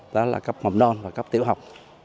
đó là cấp mầm non và cấp tiểu học